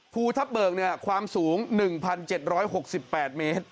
ภูทับเบิกความสูง๑๗๖๘เมตร